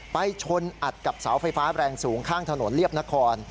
ไปชนอัดกับเสาไฟฟ้าแรงสูงข้างถนนเรียบนคร